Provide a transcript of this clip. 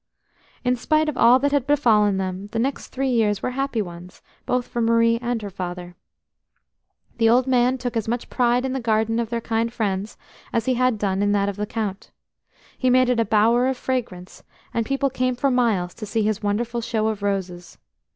In spite of all that had befallen them, the next three years were happy ones, both for Marie and her father. The old man took as much pride in the garden of their kind friends as he had done in that of the Count. He made it a bower of fragrance, and people came for miles to see his wonderful show of roses.